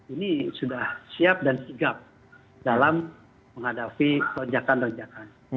ini sudah siap dan sigap dalam menghadapi keronjakan ronjakan